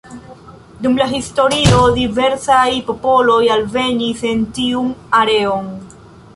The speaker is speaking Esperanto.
Dum la historio diversaj popoloj alvenis en tiun areon.